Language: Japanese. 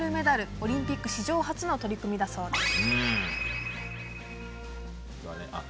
オリンピック史上初の取り組みだそうです。